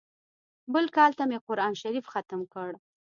بل کال ته مې قران شريف ختم کړ.